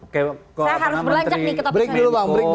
saya harus berlanjut nih ke topik topik